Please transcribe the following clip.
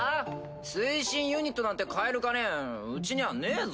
推進ユニットなんて買える金うちにはねぇぞ。